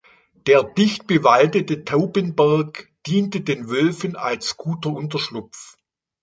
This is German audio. Der dicht bewaldete Taubenberg diente den Wölfen als guter Unterschlupf.